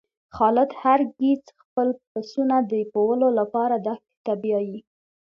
خالد هر ګیځ خپل پسونه د پوولو لپاره دښتی ته بیایی.